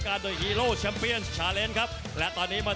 ของชัมเปียนชามเปียน